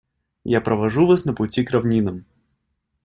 Я провожу вас на пути к равнинам.